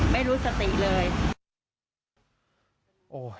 ไม่รู้สติเลย